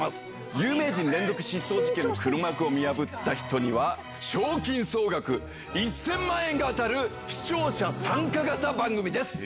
有名人連続失踪事件の黒幕を見破った人には、賞金総額１０００万円が当たる視聴者参加型番組です。